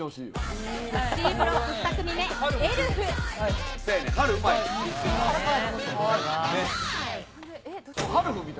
Ｃブロック２組目、エルフ。